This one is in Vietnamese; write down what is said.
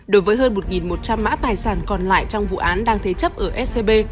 đối với hơn một một trăm linh mã tài sản còn lại trong vụ án đang thế chấp ở scb